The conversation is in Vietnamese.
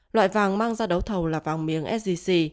loại vàng mang ra đấu thầu là vàng miếng sgc